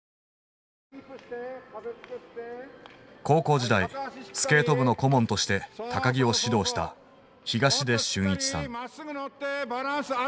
高校時代スケート部の顧問として木を指導した東出俊一さん。